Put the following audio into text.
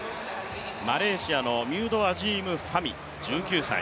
マレーシアのミュードアジーム・ファミ１９歳。